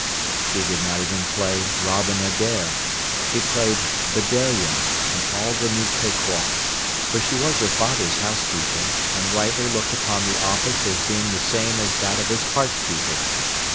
She did not even play "Robin Adair"; she played "Bedelia" and all the new cake walks, for she was her father's housekeeper, and rightly looked upon the office as being the same as that of his heart keeper.